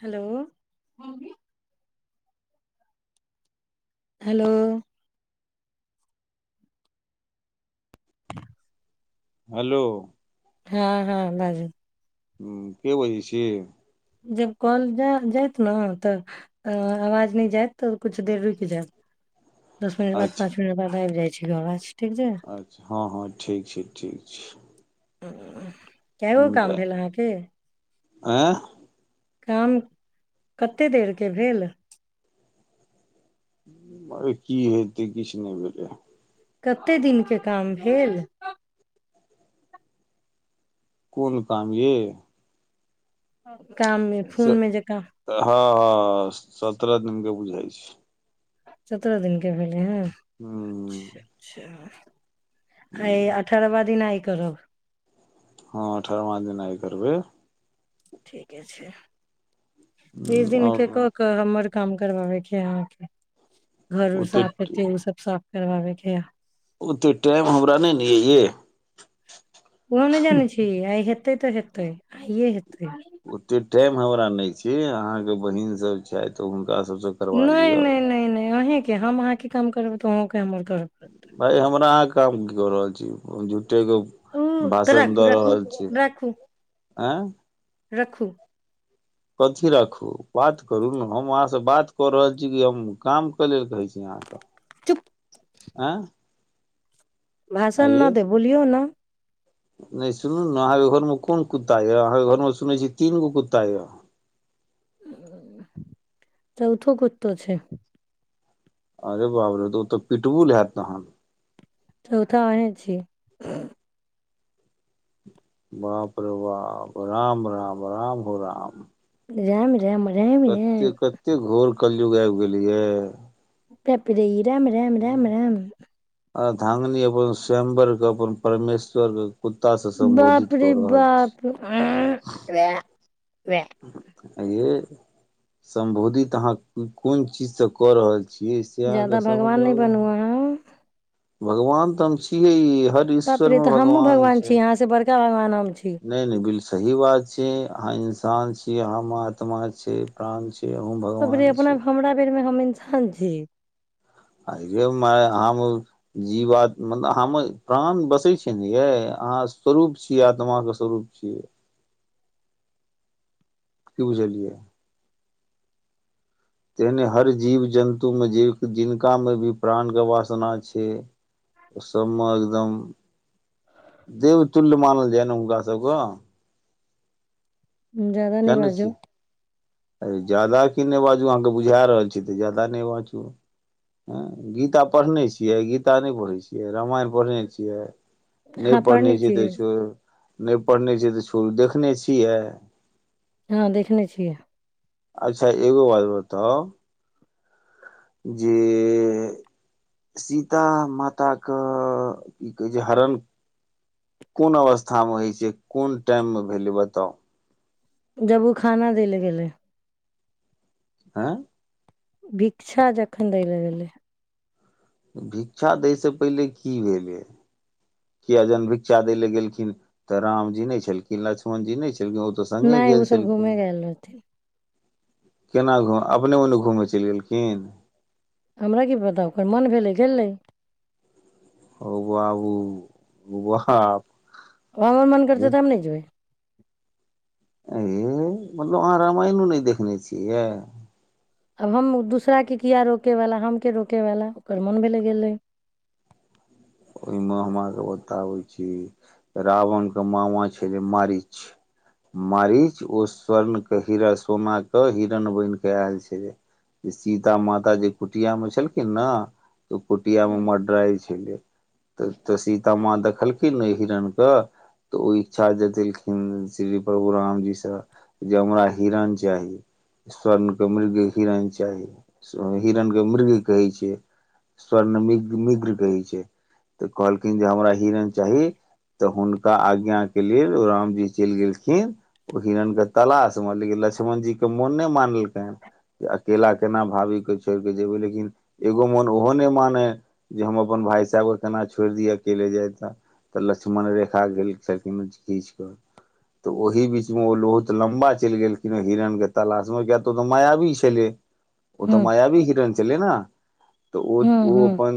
hello hello hello हँ हँ बाजू ह के बजे छिय जब कल जा जायत ने तऽ आवाज नहि जायत तऽ कुछु देर रुकि जायत दस मिनट बाद पाँच अच्छा मिनट बाद आब जाइत छै अवाज अच्छा हँ हँ ठीक छै ठीक छै [inaudible] कए गो काम भेल अहाँके आँ काम कतेक देरके भेल म की हेत किछ नहि भेलै कतेक दिनके काम भेल कोन काम यै हँ काममे फोनमे जकाँ ह सत्ररह दिन के बुझाय छै सतत्रह दिन के भेल ह हूँ अच्छा अच्छा हूँ, ह्य अठरवा दिन करब हँ ठरमा देनाय नहि करबै ठीके छै बिस हूँ, दिन के आओर कऽ क हमर काम करबाबेके ह अहाँके घर उर ओते साफ करत उ सब साफ करबाबे छैा ओते टायम हमरा नै नै अय यै को ने जानै छी अइे तै तऽ हेतै आइये हेतै ओते टाइम हमरा ने छी अहाँ के बहिन सब छै त नहि नहि नहि नहि अही हम अहाँके के काम करब तोहंर भइ हमरा अहाँके काम किी कर रहल उ तऽ बासन राखू दर राखू रहल छै राखू अँ रखू कथी राखू बात करू ने हम अहाँसँ बात कऽ रहल छी कि हम कामके लेल कहै छी अहाँके चुप आँ भाषण नहि दे बोलियौ ने नहि सुनू ने अहाँके घरमे कोन कुत्ता यए अहाँके घरमे सुनै छीियै तीन गो कुत्ता यए चौथो कुत्तो छै अरे बाब रे तऽ ओ तऽ पिटबु हैत तहन चोथा अहि छी बाप र बाप राम राम राम हो राम जेम जेम कतेक कतेक घोर कलयुग आबि गेलियय तेपरि राम राम राम राम आ धांगनी अपन स्वम्बर के अपन परमेश्वर के कुत्ता से सम्बोधित बाप रे कऽ रहल बाप वए ये समबोधित अहाँ कोन चीज से कऽ रहल छी जादा भगवान नहि बनुआ हैं भगवान तऽ हम छी हे ते त हमहूँ भगवान छी यहााँ से बड़का भगवान हम छी नहि नहि बिल सही बात छै ह इस प्राण छीय हम आात्मा छै प्राण छी अहूँ तब भगवान अपना हमरा बेरमे हम ऐना हाँ जी आ यौ माय हम जीवात मतलब हम प्राण बसै छिय ने यै अहाँ स्वरूप छियै आत्माके स्वरूप छियै की बुझलियै तेहने हर जीव जन्तुमे जे जिनकामे भी प्राणके वासना छै ओ सभमे एकदम देवतुल्य मानल जाय ने हुनकास सभके ज्यदा नहि बाजू ऐ ज्यादा की नहि बाजू अहाँकेँ बुझा रहल छी तऽ ज्यादा नहि बाजू एँ गीता पढ़ने छियै गीता नहि पढ़ै छियै रामायण पढ़ने छियै नहि अहाँ पढ़ने छै छियै तऽ नहि पढ़ने छ तऽ उ देखने छियै हँ देखने छियै अच्छा एगो बात उ जे सीता माताके कय की कहै छै हरण कोन अवस्थामे होइत छै कोन टाइममे भेलै बताउ जब ओ खाना देय लयं गेलै आँ भिक्षा जखन दै लए गेलै भिक्षा दै से पहिले की भेलै किया जहन भिक्षा दै ले गेलखिन तऽ रामजी नहि छलखिन लक्ष्मण जी नहि छलिन नहि ओसभ घूमे गेलल रहथिन केना घुम अपने ओन्न घूमय चलि गेलखिन हमरा की पता ओकर मोन भेलै गेलै ओ बाबू होउ बाप ओ हमर मन करतै तब नहि जइबै ऐय मतलब अहाँ रामायणो नहि देखने छियै आब हम दूसराके किए रोकयवला हमके रोकयवला ओकर मोन भेल गेलै ओहिमे हमराके बताबै छी रावणके मामा छलै माररीच माररीच ओ स्वर्णके हरा सोनाके हिरण बनि कऽ आयल छलै जे सीता माता जे कुटियामे छलखिन ने तऽ ओ कुटियामे हूँ मड्रइ छलै तऽ तऽ सीताामाँ देखलखिन ने हिरणके तऽ ओ इच्छा जतेलखिन श्री प्रभ रामजीसँ जे हमरा हिरण चाही स्वर्णके मृग हिरण चाही हिरणके मृग कहै छै स्वर्ण मि मिग्र कहै छै तऽ कहलखिन जे हमरा हिरण चाही तऽ हुनका आज्ञाके लेल रामजी चलि गेलखिन ओ हिरणे तलाशमे लेकिन लक्ष्मण जीे मोन नहि मानलकनि जे अकेला केना भाभीकेँ छोड़ि कऽ जेयबै लेकिन एगो मोन ओहो नहि मानै जे हम अपन भाय साहेब केना छोड़ि दिय अकेले जाय ते तऽ लक्ष्मण रेखा गेल छलखिन खींच कऽ तऽ ओहि बीचमे ओ लहुत लम्बा चलि गेलखिन हिरण के तलाश मे किया तऽ ओ तऽ मायावी छले ओ तऽ माया भवी हिरन छलय न तऽ ओ हूँ ओ हूँ अपन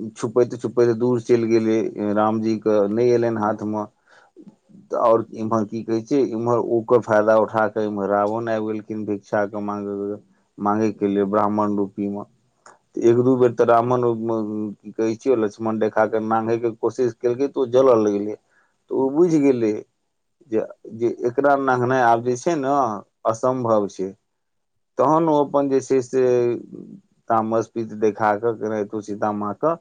छुप छुपैते छुपैते दूर चलि गेले रामजी के नहि एलैनि हाथ मे आओर इम्हर की कहे छै इम्हर ओकर फायदा उठा कऽ इमहर रावण आबि गेलखिन भिक्षाक के मा मांगेके लेल ब्राह्मण रूपी मे तऽ एक दू बेर तऽ रावण ओहि कहै छिय लक्ष्मन रेखा कऽ नांगे के कोशिश केलकै तऽ ओ जलय लगलै तऽ ओ बुझि गेलै जे जे एकरा नांगनाइ आब जे छै ने असम्भव छै तहन ओ अपन जे छै से तामसपित देखा कऽ केनाहित सीता मा त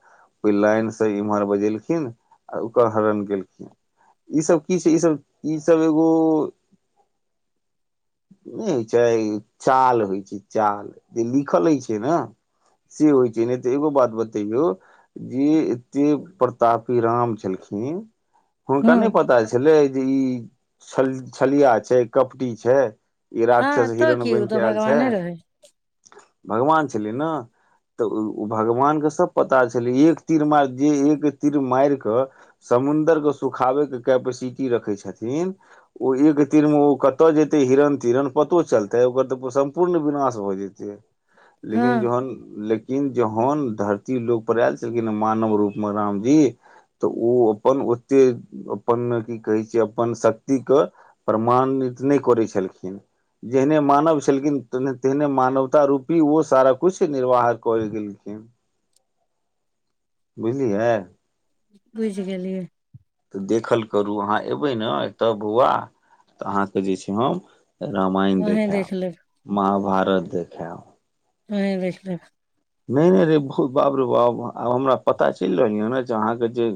लाईन सँ एमहर बजेलखिन आ ओकर हरण केलखिन इ सब की छिय इ सभ ओ नै होय छय चाल होय छय चाल जे लिखल होय छय न से होय छै एगो बात बतेय यौ जेे एतेक प्रतापी राम छलखिन हुनका नहि हूँ पता छलै जे इ छल छलिया छै कपटी छै ई हँ राक्षस तऽ हिरण की बन उ तऽ के आयल छै भगवाने रहै भगवान छलै ने तऽ ओ ओ भगवानके सब पता छलै एक तीर मारि जे एक तीर मारि कऽ समुन्दरके सुखाबैके कैपेसिटी रखै छथिन ओ एक तीरमे ओ कतय जेतै हिरण तिरण पतो चलतै ओकर तऽ सम्पूर्ण विनाश भऽ जेतै हँ लेकिन जहन ल लेकिन जहन धरती लोक पर आयल छलखिन मानव रूपमे रामजी तऽ ओ अपन ओते अपन की कहै छै अपन शक्तिके प्रमाणित नहि करै छलखिन जेहने मानव छलखिन तेने तेहने मानवता रूपी ओ सारा किछु निर्वाह कल गेलखिन बुझलियै बुझि गेलियै तऽ देखल करू अहाँ अयबै ने एतय बौआ तऽ अहाँके जे छै हम रामायण अहें देखेब देख लेब महाभारत देखेब ख ह देख लेब नहि नहि रे ब बाप रे बाप आब हमरा पता चलि रहल य ने जे अहाँके जे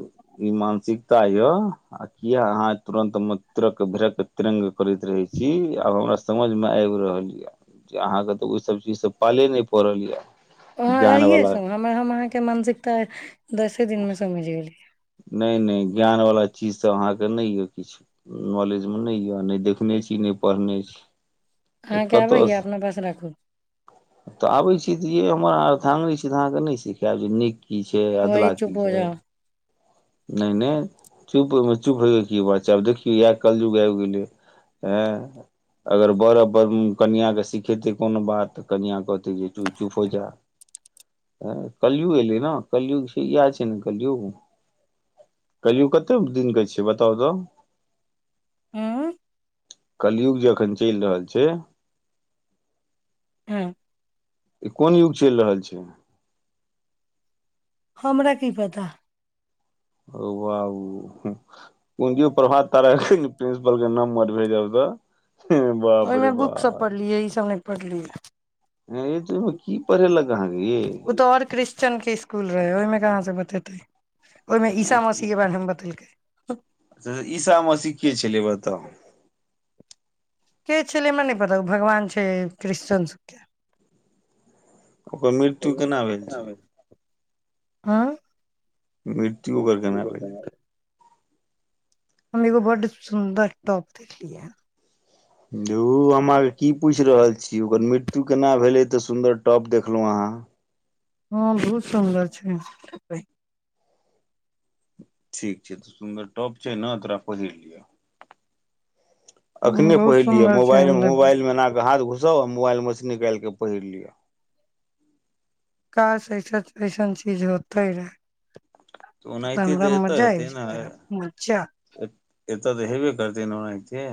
ई मानसिकता यए आ किए अहाँ तुरन्तमे तिरक भिरकक तिरङ्ंग करैत रहैत छी आब हमरा समझमे आबि रहल यए जे अहाँकेँ तऽ ओहिसभ चीजसँ पाले नहि पड़ल यए वहाँ अइये से हमर हम अहाँके मानसिकता दसे दिनमे समझ गेली नहि नहि ज्ञान वाला चीज त अहाँके नहि यए किछु नॉलेजमे नहि यए नहि देखने छी नहि पढ़ने छी तऽ अहाँके आबैया कतऽसँ अपना पास राखू तऽ आबै छी त य हम हमर अर्धांगिनी छी तऽ अहाँके नहि सिखायब जे नीक की छै कहै अधला की चुप हो छै जाउ नहि नहि चुप ओहिमे चुप होयके की बात छै आब देखियौ इएह कलयुग आबि गेलै एँ अगर बर ब कनिआँकेँ सिखेतै कोनो बात तऽ कनिआँ कहतै जे चुप चुप हो जा एँ कलयुग एयलै ने कलयुग छै इएह छै ने कलयुग कलयुग कतेक दिनके छैिय बताउ तऽ हँ कलयुग जे अखन चलि रहल छै हँ ई कोन युग चलि रहल छै हमरा की पता हौ बाबू पुजिं प्रभात तारा प्रिंसिपल के नम्बर भेजब तऽ बाप ओहिमे रे बुक सब बाप पढ़लियै ई सब ने पढ़लिय हे तू की पढ़ेलक अहाँके ओ तऽ आओर क्रिश्चन के स्कुल रहे ओहिमे कहाँ से ब ततै ओहिमे ईसा मसी के बारे मे बतेलकै अच्छा ईसा मसी के छलै बताउ के छलै नहि पता भगवान छै क्रिश्चन सबके ओकर मृत्यु केना भेल छै हँ मृत्यु ओकर केना भेलै हम एगो बड्ड सुन्दर टॉप देखलिए धु हम आहांके की पूछि रहल छी ओकर मृत्यु केना भेलै तऽ सुन्दर टॉप देखलहुँ अहाँ हँ बहुत सुन्दर छै ठीक छै तऽ सुन्दर टॉप छै ने तोरा पहिर लिअ अखने बहुत पढ़लिये सुन्दर छै मोबाइल हम लेबै मोबाइल मे एनाे हाथ घुस सब मोबाइल मछी निकालिक पहिर लिय क ऐसन ऐसन चीज होते रहै तूनाहित तऽ एता हत रह मजा ऐतअ त हैब करते नै आनाहिते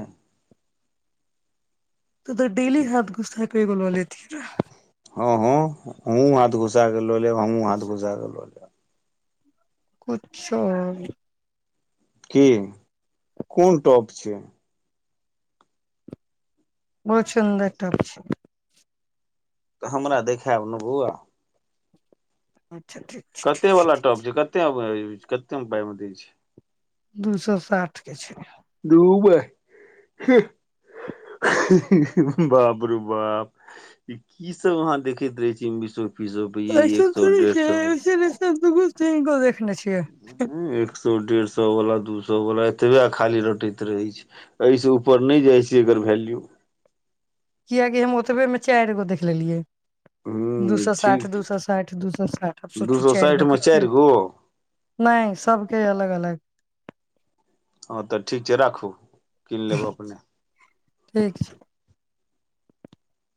तो डेली हाथ घुसा के क ऐगो ल लति हँ हँ हमहूँ हाथ घुसाक क लऽ लेब हमहूँ हाथ घुसा के लऽ लेब कुछो की कोन टॉप छै बहु सुन्दर टॉप छै तऽ हमरा देखायब ने बोआ कते वाला टॉप छै कते कतेक पाय मे दै छै दू सए साठि के छै बाब रू बाप की सब वहाँ देखैत रहै छी विश अयसन थोरे छै अयसन अयसन [unintelligible] देख ह एक सए डेढ़ सए सए व दू सए व एतब खाली रटैत रहै छै एहिसँ नहि जा एकर भैल्यू किएकि हम ओतबेमे चारिगो देख लेलिै ह दू सए साठ ठीक दू छै, सए साठि दू सए साठि अब दू सोचू सौ चारि गो साठि मे कते चारि गो नहि सबके अलग अलग [inaudible] हँ तऽ ठीक छै राखू कीन लेब अपने ठीक छै